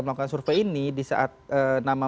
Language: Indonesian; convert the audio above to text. melakukan survei ini di saat nama